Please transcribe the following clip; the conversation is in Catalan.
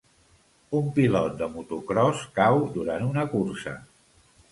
Un pilot de motocròs cau durant una cursa.